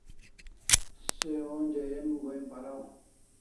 Se onja em go'in paraw